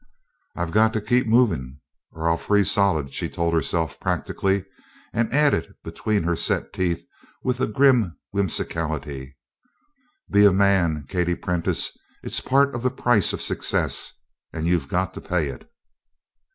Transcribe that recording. "I've got to keep moving or I'll freeze solid," she told herself practically, and added between her set teeth with a grim whimsicality: "Be a man, Kate Prentice! It's part of the price of success and you've got to pay it!"